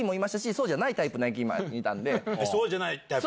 そうじゃないタイプって？